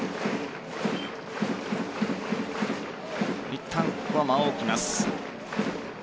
いったん、ここは間を置きます。